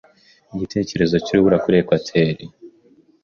igitekerezo cy'urubura kuri ekwateri.